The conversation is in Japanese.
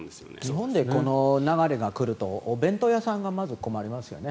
日本でこの流れが来るとお弁当屋さんがまず困りますよね。